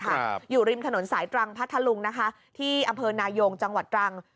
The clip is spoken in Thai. ครับอยู่ริมถนนสายตรังพัทธลุงนะคะที่อำเภอนายงจังหวัดตรัง